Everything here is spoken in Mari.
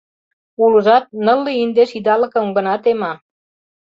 Улыжат нылле индеш идалыкым гына тема.